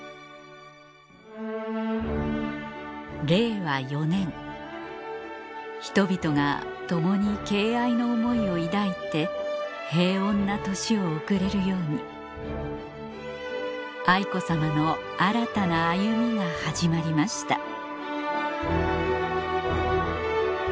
令和４年人々が共に敬愛の思いを抱いて平穏な年を送れるように愛子さまの新たな歩みが始まりました